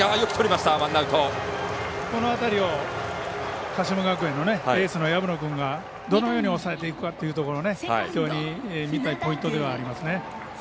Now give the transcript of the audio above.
この辺りを鹿島学園のエースの薮野君がどのように抑えていくかというところを非常に見たいポイントではありますね。